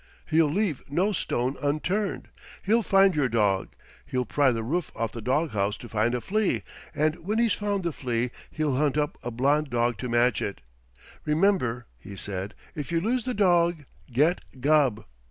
He'll leave no stone unturned. He'll find your dog. He'll pry the roof off the dog house to find a flea, and when he's found the flea he'll hunt up a blond dog to match it. Remember,' he said, 'if you lose the dog, get Gubb.'"